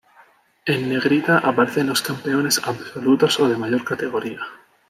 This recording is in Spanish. En negrita aparecen los campeones Absolutos o de mayor categoría.